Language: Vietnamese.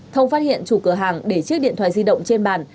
thông phát hiện chủ cửa hàng để chiếc điện thoại di động trên bàn